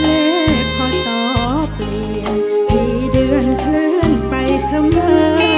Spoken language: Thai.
พศเปลี่ยนกี่เดือนเคลื่อนไปเสมอ